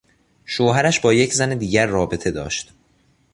شوهرش با یک زن دیگر رابطه داشت.